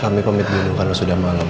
kami permit dulu kalau sudah malem